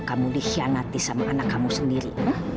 kamu dikhianati sama anak kamu sendiri